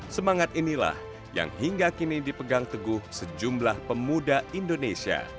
semangat inilah yang hingga kini dipegang teguh sejumlah pemuda indonesia